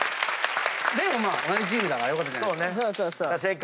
でも同じチームだからよかったじゃないですか。